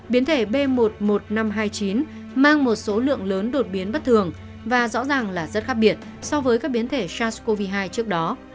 biến thể b một mươi một nghìn năm trăm hai mươi chín mang một số lượng lớn đột biến bất thường và rõ ràng là rất khác biệt so với các biến thể sars cov hai trước đó